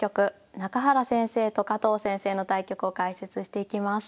中原先生と加藤先生の対局を解説していきます。